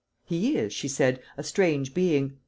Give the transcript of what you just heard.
"He is," she said, "a strange being.